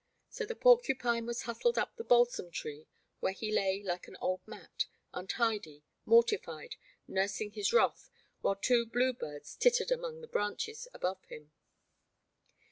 So the porcupine was hustled up the balsam tree, where he lay like an old mat, untidy, mortified, nursing his wrath, while two blue birds tittered among the branches above him.